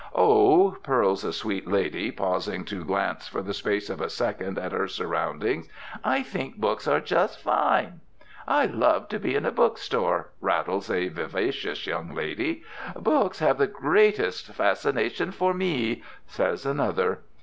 "Oh!" purls a sweet lady, pausing to glance for the space of a second at her surroundings, "I think books are just fine!" "I love to be in a book store," rattles a vivacious young woman. "Books have the greatest fascination for me," says another.